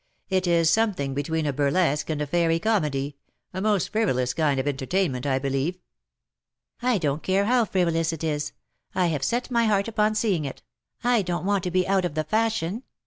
" It is something between a burlesque and a fairy comedy — a most frivolous kind of entertainment^ I believe/^ " I don't care how frivolous it is. I have set my heart upon seeing it. I don't want to be out of the fashion.